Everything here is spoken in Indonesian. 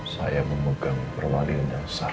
saya memegang perwaliannya sar